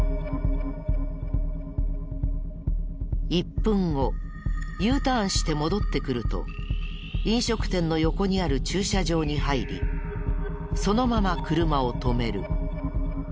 １分後Ｕターンして戻ってくると飲食店の横にある駐車場に入りそのまま車を止める。